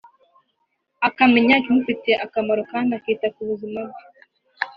akamenya ikimufitiye akamaro kandi akita ku buzima bwe